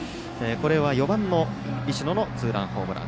４番の石野のツーランホームラン。